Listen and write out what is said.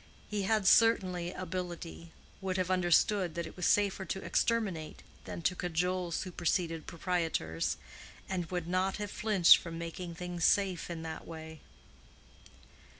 He had certainly ability, would have understood that it was safer to exterminate than to cajole superseded proprietors, and would not have flinched from making things safe in that way.